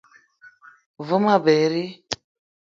Ve ma berri